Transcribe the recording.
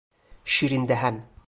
شیرین دهن